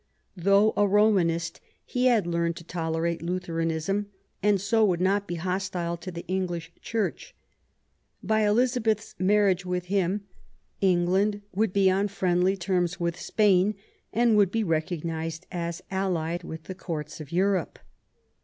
Though a Romanist, he had learned to tolerate Lutheranism, and so would not be hostile to the EngHsh Church. By Elizabeth's marriage with him England would be on friendly terms with Spain and would be recognised as allied with the Courts of Europe.